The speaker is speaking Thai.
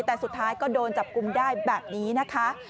แต่สุดท้ายก็โดนจับกุมได้แบบนี้นะคะ